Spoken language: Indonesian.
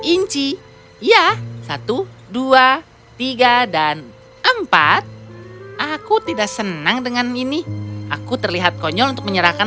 inci ya satu dua tiga dan empat aku tidak senang dengan ini aku terlihat konyol untuk menyerahkan